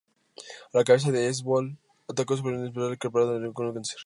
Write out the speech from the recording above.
A la cabeza de Hezbollah, atacó verbalmente a Israel, comparándolo con un cáncer.